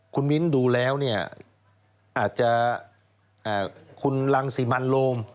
คุณวินดูแล้วอาจจะคุณรังสิมันโลม